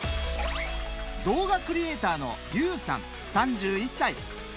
動画クリエイターのゆうさん３１歳。